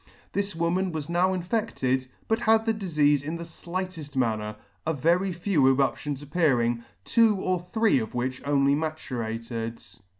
This woman was now infedted, but had the difeafe in the flighted manner, a very few eruptions appearing, two or three of which only maturated.